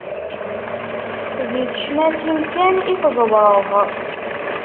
Di tecmatin kan i tẓewreḍ.